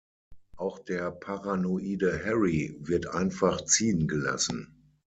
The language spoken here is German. Auch der paranoide Harry wird einfach ziehen gelassen.